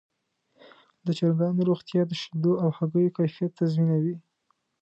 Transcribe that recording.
د چرګانو روغتیا د شیدو او هګیو کیفیت تضمینوي.